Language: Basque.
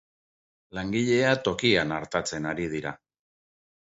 Langilea tokian artatzen ari dira.